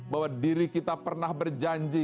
bahwa diri kita pernah berjanji